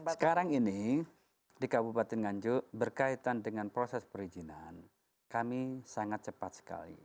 sekarang ini di kabupaten nganjuk berkaitan dengan proses perizinan kami sangat cepat sekali